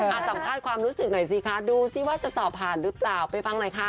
สัมภาษณ์ความรู้สึกหน่อยสิคะดูซิว่าจะสอบผ่านหรือเปล่าไปฟังหน่อยค่ะ